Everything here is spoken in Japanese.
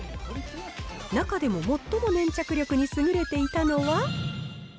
中でも最も粘着力に優れていたのは。